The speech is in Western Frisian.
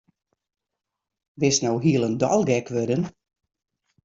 Bist no hielendal gek wurden?